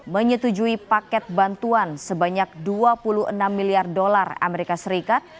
menyetujui paket bantuan sebanyak dua puluh enam miliar dolar amerika serikat